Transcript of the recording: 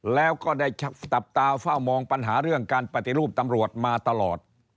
แล้วก็ได้สับตาเฝ้ามองปัญหาเรื่องการปฏิรูปตำรวจมาตลอด